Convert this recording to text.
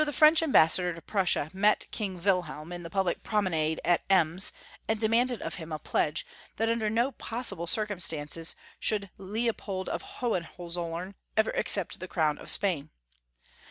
French ambassador to Prussia met King Wilhelm in the public promenade at Ems, and demanded of him a pledge that under no possible circumstances should Leopold of Hohenzollem ever accept the crown of Spain.